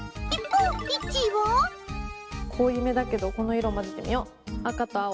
一方濃いめだけどこのいろをまぜてみよう。